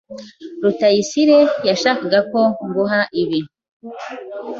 Rutayisire yashakaga ko nguha ibi.